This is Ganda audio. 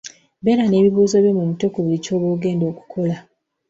Beera n'ebibuuzo ebyo mu mutwe ku buli ky'oba ogenda okukola.